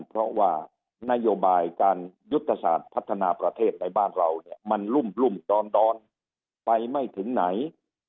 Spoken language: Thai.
เพราะว่านโยบายการยุทธศาสตร์พัฒนาประเทศในบ้านเราเนี่ยมันรุ่มดอนไปไม่ถึงไหน